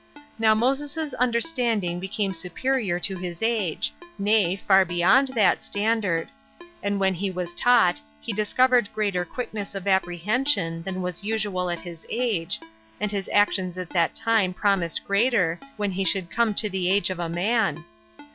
Now Moses's understanding became superior to his age, nay, far beyond that standard; and when he was taught, he discovered greater quickness of apprehension than was usual at his age, and his actions at that time promised greater, when he should come to the age of a man.